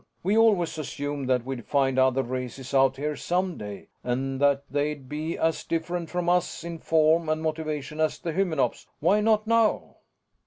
We always assumed that we'd find other races out here someday, and that they'd be as different from us in form and motivation as the Hymenops. Why not now?"